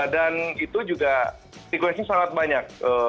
dan itu juga sequence nya sangat banyak